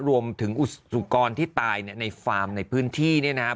รวมถึงสุกรที่ตายในฟาร์มในพื้นที่เนี่ยนะครับ